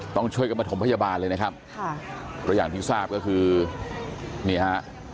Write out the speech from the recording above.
ต้องช่วยกับมาถมพยาบาลเลยนะครับแต่อย่างที่ที่ทราบก็คือนี่ฮะ